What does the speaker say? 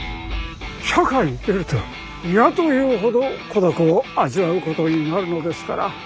社会に出ると嫌というほど孤独を味わうことになるのですから